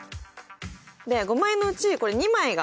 で５枚のうちこれ２枚が。